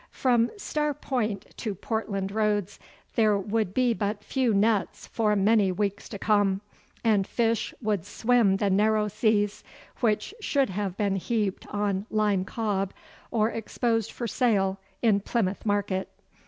From Star Point to Portland Roads there would be few nets for many weeks to come, and fish would swim the narrow seas which should have been heaped on Lyme Cobb or exposed for sale in Plymouth market.